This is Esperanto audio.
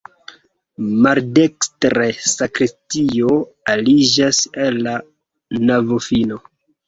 Maldekstre sakristio aliĝas al la navofino.